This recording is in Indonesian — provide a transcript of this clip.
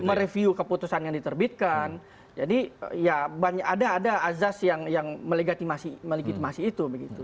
mereview keputusan yang diterbitkan jadi ya ada ada azas yang melegitimasi itu begitu